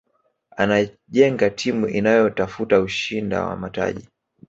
anajenga timu inayotafuta ushinda wa mataji